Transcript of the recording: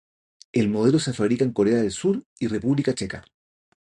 El modelo se fabrica en Corea del Sur y República Checa.